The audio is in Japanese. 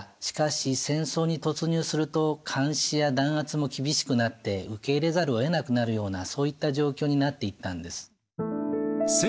しかし戦争に突入すると監視や弾圧も厳しくなって受け入れざるをえなくなるようなそういった状況になっていったんです。